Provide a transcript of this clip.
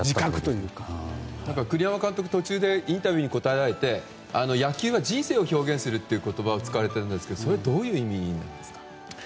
栗山監督は途中でインタビューに答えられて野球は人生を表現するという言葉を使われていたと思うんですがそれはどういう意味ですか？